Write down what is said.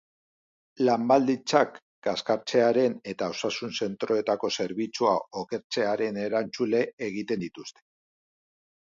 Lan baldintzak kaskartzearen eta osasun zentroetako zerbitzua okertzearen erantzule egiten dituzte.